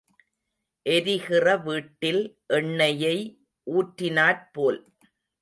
எரிகிற வீட்டில் எண்ணெயை ஊற்றினாற் போல்.